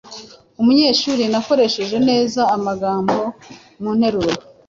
Umunyeshuri nakoreshe neza amagambo mu nteruro